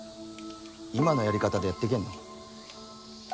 今のやり方でやってけんの？